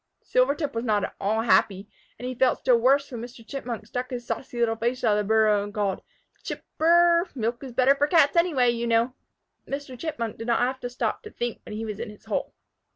Silvertip was not at all happy, and he felt still worse when Mr. Chipmunk stuck his saucy little face out of the burrow and called, "Chip r r r! Milk is better for Cats anyway, you know!" Mr. Chipmunk did not have to stop to think when he was in his hole.